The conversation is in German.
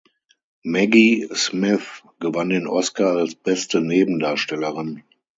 Maggie Smith gewann den Oscar als beste Nebendarstellerin.